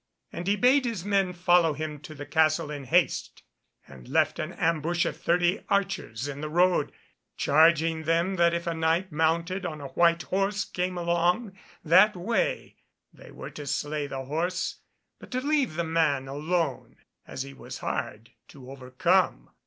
And he bade his men follow him to the castle in haste, and left an ambush of thirty archers in the road, charging them that if a Knight mounted on a white horse came along that way they were to slay the horse but to leave the man alone, as he was hard to overcome.